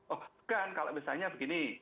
oh bukan kalau misalnya begini